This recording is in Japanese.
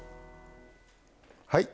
はい。